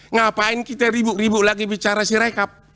ngapain kita ribuk ribuk lagi bicara sirekap